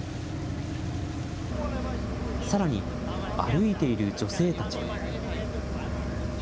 さらに、歩いている女性たちも。